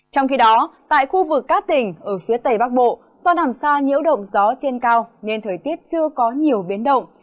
trong khi đó tại khu vực các tỉnh ở phía tây bắc bộ do nằm xa nhiễu động gió trên cao nên thời tiết chưa có nhiều biến động